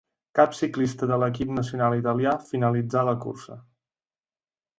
Cap ciclista de l'equip nacional italià finalitzà la cursa.